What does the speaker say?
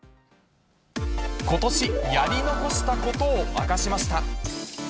ことし、やり残したことを明かしました。